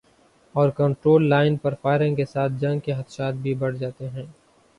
Over control line پر firing کے ساتھ جنگ کے خدشات بھی بڑھ جاتے ہیں۔